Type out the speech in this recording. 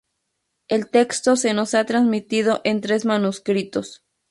El texto se nos ha transmitido en tres manuscritos.